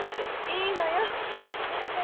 いいのよ無理しなくても。